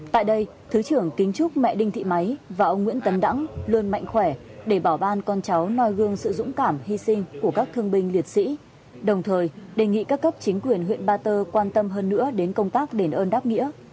tại đây thứ trưởng kính chúc mẹ đinh thị máy và ông nguyễn tấn đẳng luôn mạnh khỏe để bảo ban con cháu noi gương sự dũng cảm hy sinh của các thương binh liệt sĩ đồng thời đề nghị các cấp chính quyền huyện ba tơ quan tâm hơn nữa đến công tác đền ơn đáp nghĩa